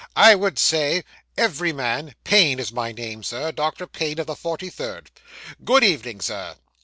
I would, sir every man. Payne is my name, sir Doctor Payne of the 43rd. Good evening, Sir.